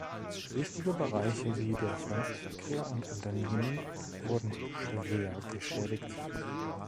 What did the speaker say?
Wichtige Bereiche wie der Fremdenverkehr und Unternehmen wurden schwer geschädigt.